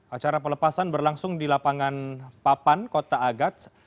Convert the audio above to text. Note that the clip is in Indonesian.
acara pelepasan berlangsung di lapangan papan kota agats